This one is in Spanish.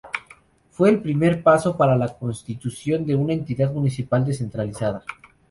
Fue el primer paso para la constitución de una entidad municipal descentralizada.